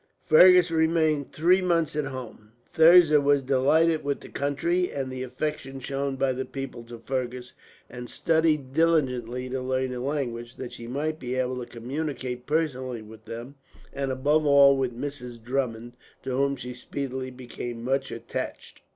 Fergus remained three months at home. Thirza was delighted with the country, and the affection shown by the people to Fergus; and studied diligently to learn the language, that she might be able to communicate personally with them, and above all with Mrs. Drummond, to whom she speedily became much attached.